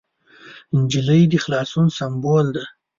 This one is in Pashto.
نجلۍ د اخلاص سمبول ده.